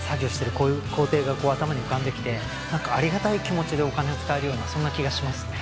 こういう工程がこう頭に浮かんできて何かありがたい気持ちでお金を使えるようなそんな気がしますね